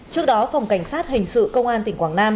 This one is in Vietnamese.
trước đó phòng cảnh sát hình sự công an tỉnh quảng nam